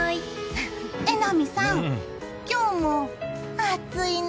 榎並さん、今日も暑いな！